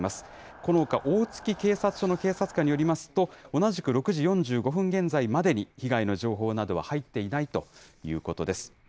このほか、大月警察署の警察官によりますと、同じく６時４５分現在までに被害の情報などは入っていないということです。